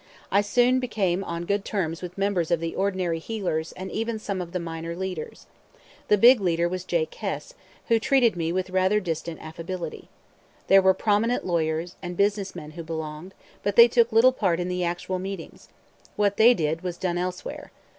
I soon became on good terms with a number of the ordinary "heelers" and even some of the minor leaders. The big leader was Jake Hess, who treated me with rather distant affability. There were prominent lawyers and business men who belonged, but they took little part in the actual meetings. What they did was done elsewhere.